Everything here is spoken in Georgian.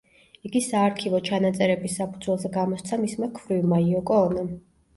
იგი საარქივო ჩანაწერების საფუძველზე გამოსცა მისმა ქვრივმა, იოკო ონომ.